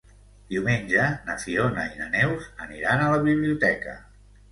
Diumenge na Fiona i na Neus aniran a la biblioteca.